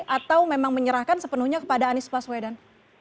atau memang menyerahkan sepenuhnya kepada anies baswedan